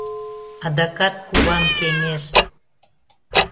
Адакат куван кеҥеж...